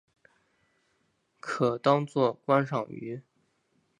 可当作观赏鱼。